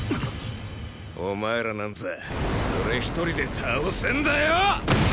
お前らなんざ俺一人で倒せんだよ！